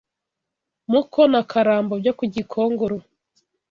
Muko na Karambo byo ku Gikongoro